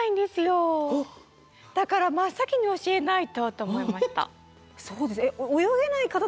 だから真っ先に教えないとと思いました。